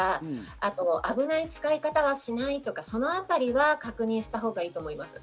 あと危ない使い方はしないとか、そのあたりは確認したほうがいいと思います。